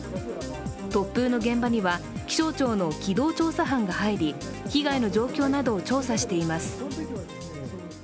突風の現場には気象庁の機動捜査班が入り、被害の状況などを調査しています。